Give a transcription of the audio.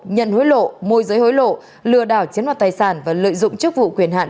nhận hối lộ môi giới hối lộ lừa đảo chiếm đoạt tài sản và lợi dụng chức vụ quyền hạn